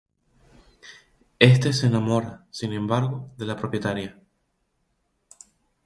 Éste se enamora, sin embargo, de la propietaria.